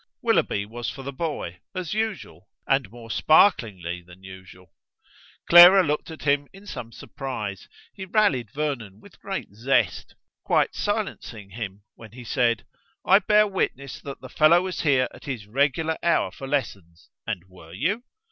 Willoughby was for the boy, as usual, and more sparklingly than usual. Clara looked at him in some surprise. He rallied Vernon with great zest, quite silencing him when he said: "I bear witness that the fellow was here at his regular hour for lessons, and were you?"